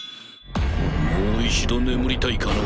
もう一度眠りたいかの？